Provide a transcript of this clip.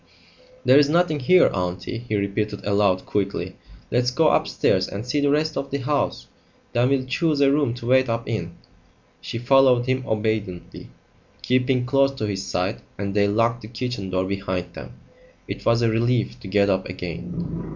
"There's nothing here, aunty," he repeated aloud quickly. "Let's go upstairs and see the rest of the house. Then we'll choose a room to wait up in." She followed him obediently, keeping close to his side, and they locked the kitchen door behind them. It was a relief to get up again.